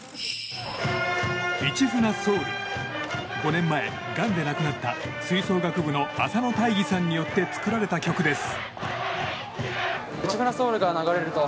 ５年前、がんで亡くなった吹奏楽部の浅野大義さんによって作られた曲です。